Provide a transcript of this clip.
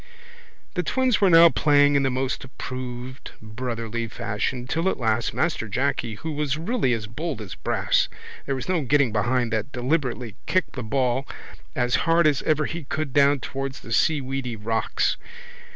The twins were now playing in the most approved brotherly fashion till at last Master Jacky who was really as bold as brass there was no getting behind that deliberately kicked the ball as hard as ever he could down towards the seaweedy rocks.